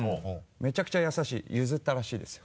めちゃくちゃ優しい譲ったらしいですよ。